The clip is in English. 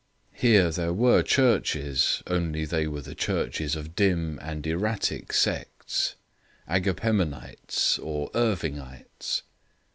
Here there were churches; only they were the churches of dim and erratic sects, Agapemonites or Irvingites.